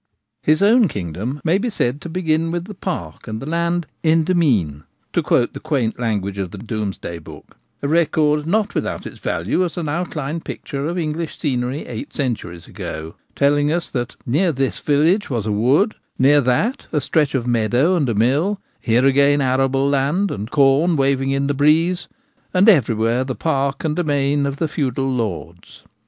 His own kingdom may be said to begin with the park, and the land • in demesne ' to quote the quaint language of the Domesday Book: a record not without its value as an outline picture of English scenery eight centuries ago, telling us that near this village was a wood, near that a stretch of meadow and a mill, here again arable land and corn waving in the breeze, and everywhere the park and domain of the feudal lords.